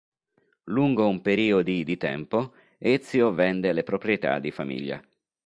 Lungo un periodi di tempo Ezio vende le proprietà di famiglia.